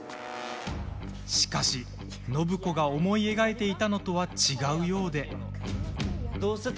しかし暢子が思い描いていたのとは違うようで。